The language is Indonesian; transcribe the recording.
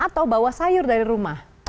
atau bawa sayur dari rumah